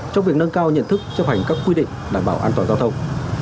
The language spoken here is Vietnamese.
trong việc nâng cao nhận thức chấp hành các quy định đảm bảo an toàn giao thông